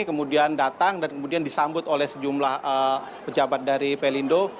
kemudian datang dan kemudian disambut oleh sejumlah pejabat dari pelindo